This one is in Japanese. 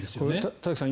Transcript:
田崎さん